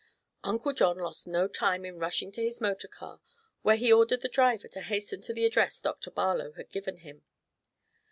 Uncle John lost no time in rushing to his motor car, where he ordered the driver to hasten to the address Dr. Barlow had given him.